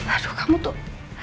aduh kamu tuh